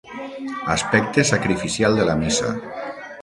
Aspecte sacrificial de la missa.